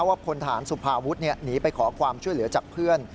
พลฐานสุภาวุฒิหนีไปขอความช่วยเหลือจากเพื่อน